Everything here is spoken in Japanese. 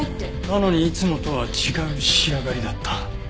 なのにいつもとは違う仕上がりだった。